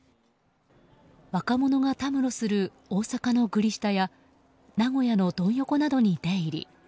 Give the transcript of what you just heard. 若者がたむろする大阪のグリ下や名古屋のドン横などに出入り。